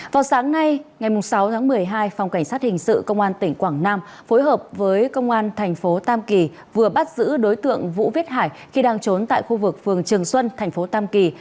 vào sáng nay ngày sáu tháng một mươi hai phòng cảnh sát hình sự công an tỉnh quảng nam phối hợp với công an thành phố tam kỳ vừa bắt giữ đối tượng vũ viết hải khi đang trốn tại khu vực phường trường xuân thành phố tam kỳ